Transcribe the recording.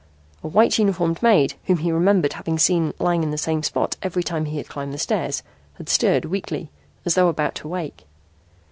A white uniformed maid, whom he remembered having seen lying in the same spot every time he climbed the stairs, had stirred weakly, as though about to wake.